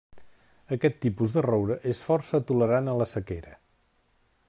Aquest tipus de roure és força tolerant a la sequera.